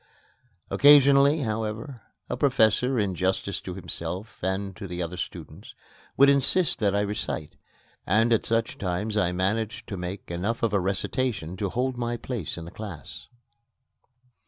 Occasionally, however, a professor, in justice to himself and to the other students, would insist that I recite, and at such times I managed to make enough of a recitation to hold my place in the class.